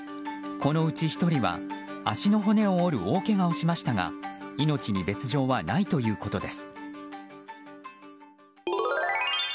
このうち１人は足の骨を折る大けがをしましたが命に別条はないということです。